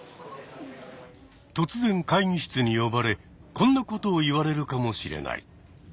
突然会議室に呼ばれこんなことを言われるかもしれない。